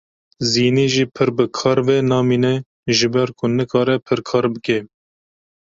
Zînê jî pir bi kar ve namîne ji ber ku nikare pir kar bike.